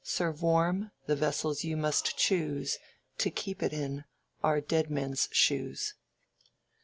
Serve warm: the vessels you must choose To keep it in are dead men's shoes.